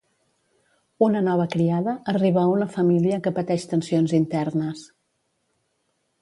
Una nova criada arriba a una família que pateix tensions internes.